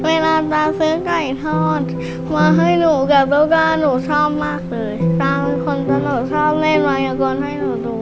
เมื่อป๊าซื้อไก่ทอดมาให้หนูกับโต๊ะก๊าหนูชอบมากเลย